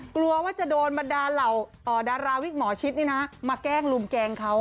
กลัวว่าจะโดนมาดาราวิกหมอชิตนี่นะมาแกล้งลุมแกงเขา